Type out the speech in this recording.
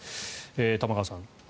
玉川さん。